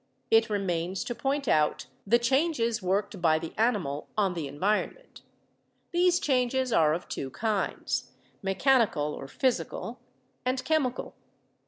It remains to point out the changes worked by the animal on the environment. These changes are of two kinds, mechanical (or physical) and chemical.